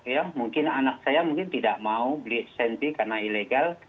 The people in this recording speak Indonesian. ya mungkin anak saya mungkin tidak mau beli senti karena ilegal